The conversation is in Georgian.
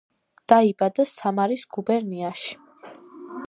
დაიბადა სამარის გუბერნიაში.